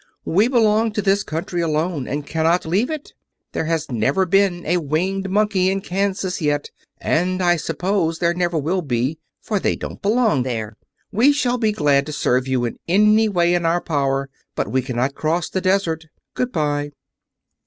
"We belong to this country alone, and cannot leave it. There has never been a Winged Monkey in Kansas yet, and I suppose there never will be, for they don't belong there. We shall be glad to serve you in any way in our power, but we cannot cross the desert. Good bye."